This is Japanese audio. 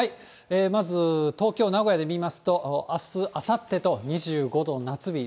まず東京、名古屋で見ますと、あす、あさってと２５度、夏日。